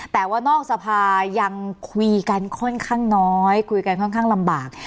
แต่ว่านอกสภายังคุยกันค่อนข้างน้อยคุยกันค่อนข้างลำบาก